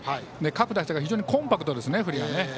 各打者が非常にコンパクトですね振りが。